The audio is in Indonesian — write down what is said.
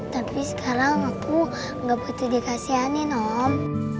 tapi sekarang aku nggak butuh dikasihanin om